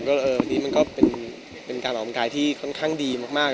ก็เออนี่มันก็เป็นการออกมันกายที่ค่อนข้างดีมากเนาะ